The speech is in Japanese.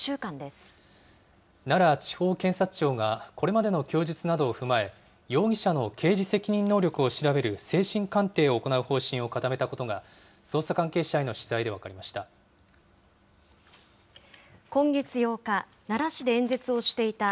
奈良地方検察庁が、これまでの供述などを踏まえ、容疑者の刑事責任能力を調べる精神鑑定を行う方針を固めたことが、捜査関係者への取材で分かりました。